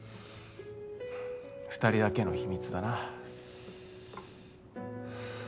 ２人だけの秘密だな。